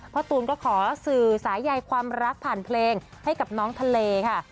ตูนก็ขอสื่อสายใยความรักผ่านเพลงให้กับน้องทะเลค่ะ